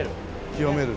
清める。